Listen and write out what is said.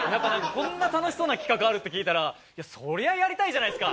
こんな楽しそうな企画あるって聞いたらそりゃやりたいじゃないですか！